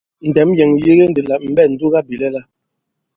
Ndɛ̌m yɛ̀ŋ ì yege ndī lā mɛ̀ ɓɛ ǹdugabìlɛla.